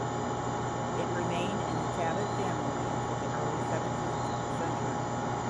It remained in the Talbot family until the early seventeenth century.